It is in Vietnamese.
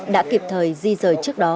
đã kịp thời di rời trước đó